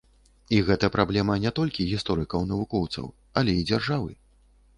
І гэта праблема не толькі гісторыкаў-навукоўцаў, але і дзяржавы.